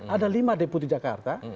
ada lima deputi jakarta